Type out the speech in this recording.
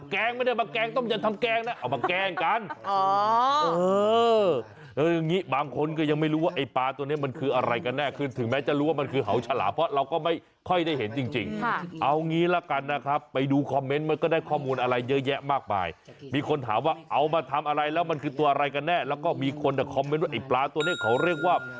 แกล้งต้องจะทำแกล้งนะเอามาแกล้งกันอ๋อเออเอออย่างงี้บางคนก็ยังไม่รู้ว่าไอ้ปลาตัวเนี้ยมันคืออะไรกันแน่คือถึงแม้จะรู้ว่ามันคือเหาฉลามเพราะเราก็ไม่ค่อยได้เห็นจริงจริงค่ะเอางี้แล้วกันนะครับไปดูคอมเม้นต์มันก็ได้ข้อมูลอะไรเยอะแยะมากไปมีคนถามว่าเอามาทำอะไรแล้วมันคือตัวอะไรกันแน